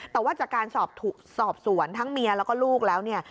แต่ว่าจากการสอบสวนทั้งเมียแล้วก็ลูกแล้วเนี่ย